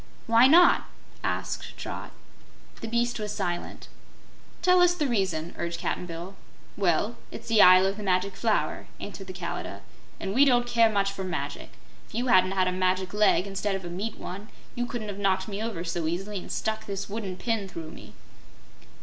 "Why not?" asked Trot. The beast was silent. "Tell us the reason," urged Cap'n Bill. "Well, it's the Isle of the Magic Flower," answered the Kalidah, "and we don't care much for magic. If you hadn't had a magic leg, instead of a meat one, you couldn't have knocked me over so easily and stuck this wooden pin through me."